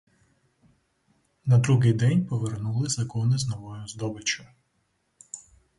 На другий день повернули загони з новою здобиччю.